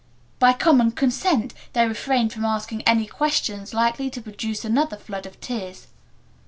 By common consent they refrained from asking any questions likely to produce another flood of tears.